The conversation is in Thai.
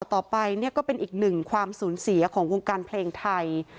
ต่อไปเนี่ยก็เป็นอีกหนึ่งความสูญเสียของวงการเพลงไทย